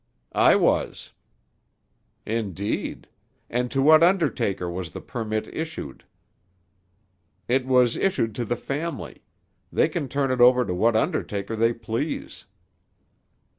"I was." "Indeed! And to what undertaker was the permit issued?" "It was issued to the family. They can turn it over to what undertaker they please."